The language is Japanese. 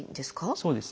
そうですね。